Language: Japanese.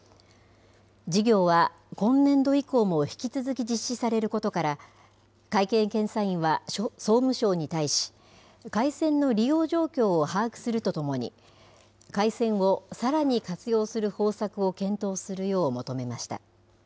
事業は今年度以降も引き続き実施されることから、会計検査院は総務省に対し、回線の利用状況を把握するとともに、回線をさらに活用する方策を検討するよう求めました。